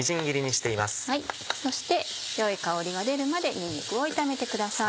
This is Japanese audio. そして良い香りが出るまでにんにくを炒めてください。